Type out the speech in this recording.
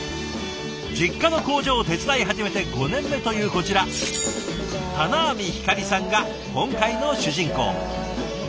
実家の工場を手伝い始めて５年目というこちら田名網ひかりさんが今回の主人公。